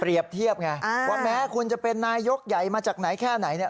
เปรียบเทียบไงว่าแม้คุณจะเป็นนายยกใหญ่มาจากไหนแค่ไหน